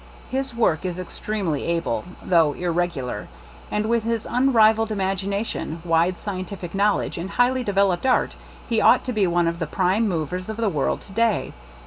His work is extremely able, though irregu lar; and with his unrivalled imagina tion, wide scientific knowledge, and highly developed art, he ought to be one of the prime movers of the world today.